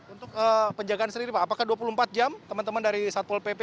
untuk penjagaan sendiri pak apakah dua puluh empat jam teman teman dari satpol pp